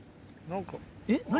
えっ何？